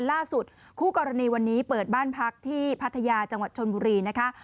คู่กรณีวันนี้เปิดบ้านพักที่พัทยาจังหวัดชนบุรีนะคะ